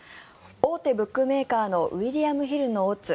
大手ブックメーカーのウィリアムヒルのオッズ